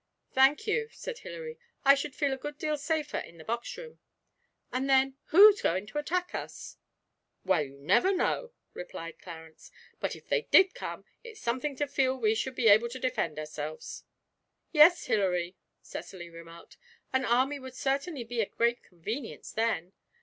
'Thank you,' said Hilary. 'I should feel a good deal safer in the box room. And then, who's going to attack us?' 'Well, you never know,' replied Clarence; 'but, if they did come, it's something to feel we should be able to defend ourselves.' 'Yes, Hilary,' Cecily remarked, 'an army would certainly be a great convenience then.'